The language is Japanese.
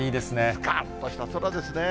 すかっとした空ですね。